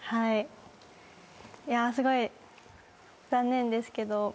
いやすごい残念ですけど。